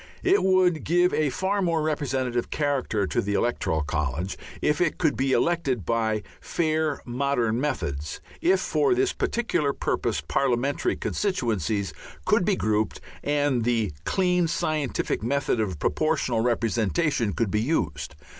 It would give a far more representative character to the electoral college if it could be elected by fair modern methods, if for this particular purpose parliamentary constituencies could be grouped and the clean scientific method of proportional representation could be used.